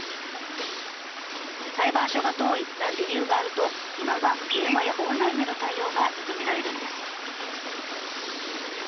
裁判所が遠いなんて理由があると今は電話やオンラインでの対応が認められるんです。